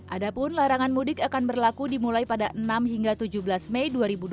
adapun larangan mudik akan berlaku dimulai pada enam hingga tujuh belas mei dua ribu dua puluh